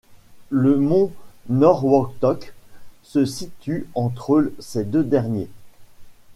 Le mont Norwottock se situe entre ces deux derniers.